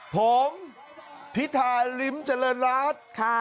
ผมพิธาริมเจริญรัฐ